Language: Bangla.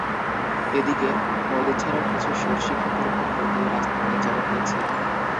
এদিকে নদী ছাড়াও কিছু সরষেখেতের ওপর দিয়ে রাস্তা নিয়ে যাওয়া হয়েছে।